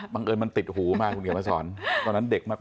เอิญมันติดหูมาคุณเขียนมาสอนตอนนั้นเด็กมาก